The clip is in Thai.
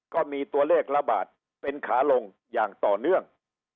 ก็มีตัวเลขระบาดเป็นขาลงอย่างต่อเนื่อง